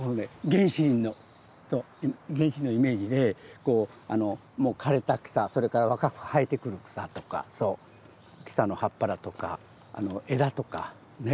原始林のイメージでもう枯れた草それから若く生えてくる草とか草の葉っぱだとか枝とかね